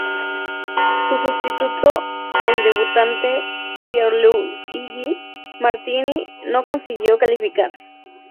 Su sustituto el debutante Pierluigi Martini no consiguió calificar.